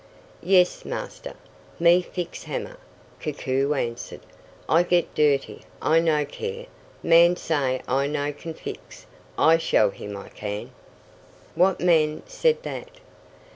"Yes, Master. Me fix hammer," Koku answered. "I get dirty, I no care. Man say I no can fix. I show him I can!" "What man said that?"